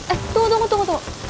eh tunggu tunggu tunggu